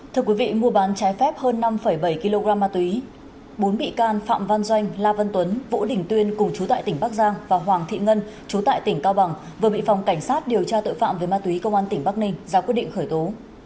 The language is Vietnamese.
thưa quý vị mua bán trái phép hơn năm bảy kg ma túy bốn bị can phạm văn doanh la văn tuấn vũ đình tuyên cùng chú tại tỉnh bắc giang và hoàng thị ngân chú tại tỉnh cao bằng vừa bị phòng cảnh sát điều tra tội phạm về ma túy công an tỉnh bắc ninh ra quyết định khởi tố